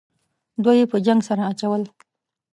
دوه یې په جنگ سره اچول.